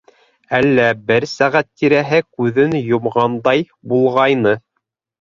Әллә... бер сәғәт тирәһе күҙен йомғандай булғайны...